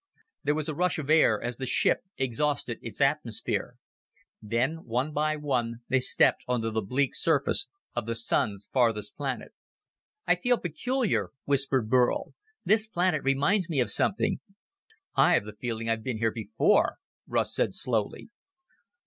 There was a rush of air as the ship exhausted its atmosphere. Then, one by one, they stepped onto the bleak surface of the Sun's farthest planet. "I feel peculiar," whispered Burl. "This planet reminds me of something." "I have the feeling I've been here before," Russ said slowly.